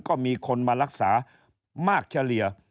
ก็มีคนมารักษามากเฉลี่ย